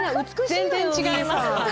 全然違いますね。